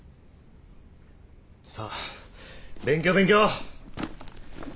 さあ勉強勉強！